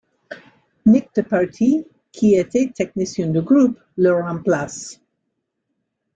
Nick de Partee, qui était technicien du groupe, le remplace.